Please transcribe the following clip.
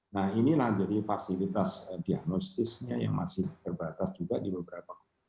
nah inilah jadi fasilitas diagnosisnya yang masih terbatas juga di beberapa kota